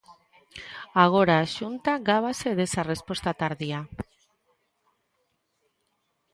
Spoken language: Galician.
Agora a Xunta gábase desa resposta tardía.